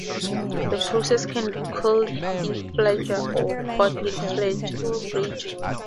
The process can be "cold" enfleurage or "hot" enfleurage.